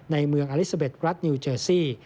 ในเมืองอลิซาเบ็ดรัฐนิวเจอร์ซี่